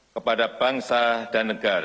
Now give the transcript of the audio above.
kepada bangsa dan negara